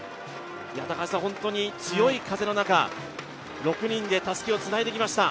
本当に強い風の中、６人でたすきをつないできました。